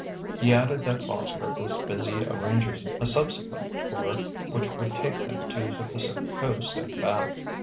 He added that Boskerk was busy arranging a subsequent tour which would take them to the Pacific Coast and back.